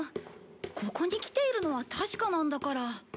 ここに来ているのは確かなんだから。